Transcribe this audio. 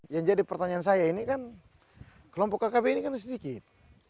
yang jadi pertanyaan saya ini kan kelompok kkb ini kan sedikit